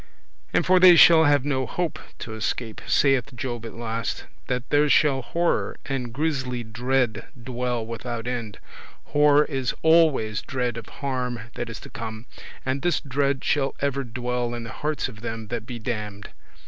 And for they shall have no hope to escape, saith Job at last, that there shall horror and grisly dread dwell without end. Horror is always dread of harm that is to come, and this dread shall ever dwell in the hearts of them that be damned.